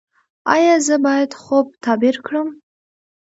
ایا زه باید خوب تعبیر کړم؟